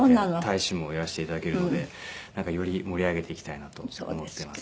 大使もやらせて頂けるのでなんかより盛り上げていきたいなと思っています。